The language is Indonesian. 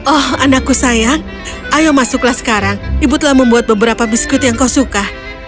oh anakku sayang ayo masuklah sekarang ibu telah membuat beberapa biskuit yang kau suka